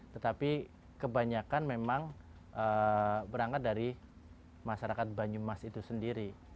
tetapi kebanyakan memang berangkat dari masyarakat banyumas itu sendiri